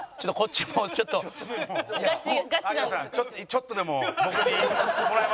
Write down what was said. ちょっとでも僕にもらえませんか？